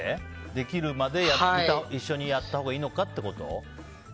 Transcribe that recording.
できるまで一緒にやったほうがいいのかってこと？